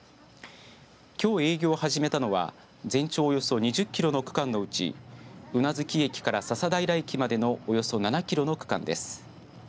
きょう営業を始めたのは全長およそ２０キロの区間のうち宇奈月駅から笹平駅までのおよそ７キロの区間です。